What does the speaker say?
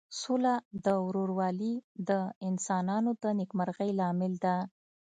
سوله او ورورولي د انسانانو د نیکمرغۍ لامل ده.